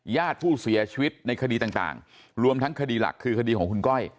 ญาติผู้เสียชีวิตในคดีต่างรวมทั้งคดีหลักคือคดีของคุณก้อย